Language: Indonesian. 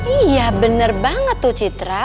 iya bener banget tuh citra